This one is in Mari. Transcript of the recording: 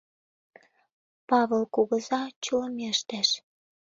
Павыл кугыза чулымештеш.